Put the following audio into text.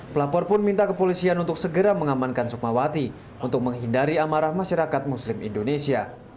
pelapor pun minta kepolisian untuk segera mengamankan sukmawati untuk menghindari amarah masyarakat muslim indonesia